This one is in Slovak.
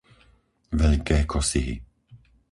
Veľké Kosihy